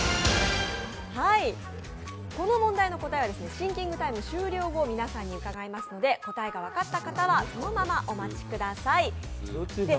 この問題の答えはシンキングタイム終了後、皆さんに聞きますので答えが分かった方はそのままお待ちください。